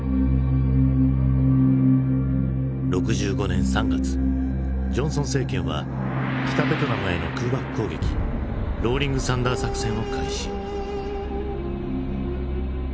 ６５年３月ジョンソン政権は北ベトナムへの空爆攻撃ローリング・サンダー作戦を開始。